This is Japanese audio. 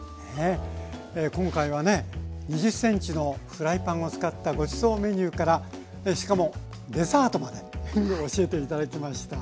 今回はね２０ｃｍのフライパンを使ったごちそうメニューからしかもデザートまで教えて頂きました。